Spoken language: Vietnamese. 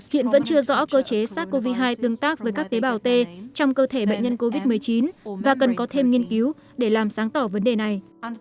hiện vẫn chưa rõ cơ chế sars cov hai tương tác với các tế bào t trong cơ thể bệnh nhân covid một mươi chín và cần có thêm nghiên cứu để làm sáng tỏ vấn đề này